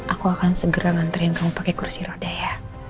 aku akan segera nganterin kamu pakai kursi roda ya